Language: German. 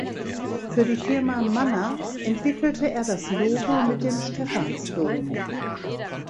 Für die Firma Manner entwickelte er das Logo mit dem Stephansdom.